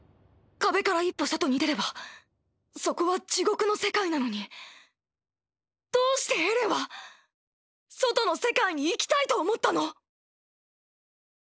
壁から一歩外に出ればそこは地獄の世界なのにどうしてエレンは外の世界に行きたいと思ったの？